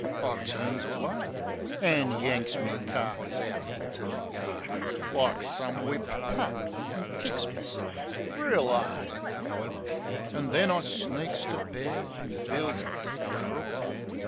I turns away, An' yanks me carkis out into the yard, Like some whipped pup ; an' kicks meself reel 'ard. An' then, I sneaks to bed, an' feels dead crook.